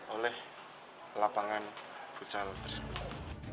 oleh lapangan futsal tersebut